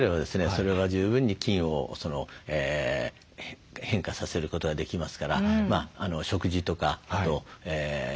それは十分に菌を変化させることができますから食事とか体操ですね